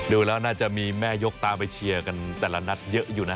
ดูแล้วน่าจะมีแม่ยกตามไปเชียร์กันแต่ละนัดเยอะอยู่นะ